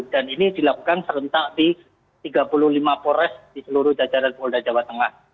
dan ini dilakukan serentak di tiga puluh lima polres di seluruh jajaran polda jawa tengah